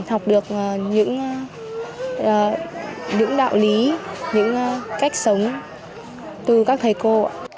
học được những đạo lý những cách sống từ các thầy cô